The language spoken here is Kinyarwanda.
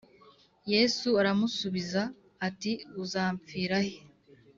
Yesu aramusubiza ati Uzampfira he